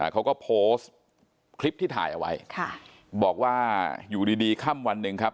เขาก็โพสต์คลิปที่ถ่ายเอาไว้บอกว่าอยู่ดีดีค่ำวันหนึ่งครับ